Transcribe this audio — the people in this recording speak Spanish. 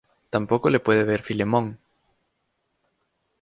Tampoco le puede ver Filemón.